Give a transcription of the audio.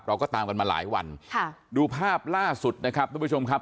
เราก็ตามกันมาหลายวันค่ะดูภาพล่าสุดนะครับทุกผู้ชมครับ